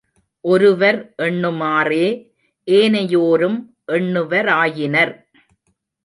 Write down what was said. ஒருவர் எண்ணுமாறே ஏனையோரும் எண்ணுவராயினர்.